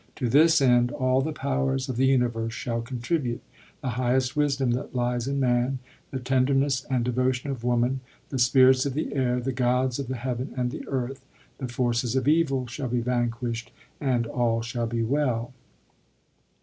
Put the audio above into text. To this end all the powers of the universe shall contribute, the highest wisdom that lies in .man, the tenderness and devotion of woman, the spirits of the air, the gods of the heaven and the earth ; the forces of evil shall be vanquisht, and all shall be well.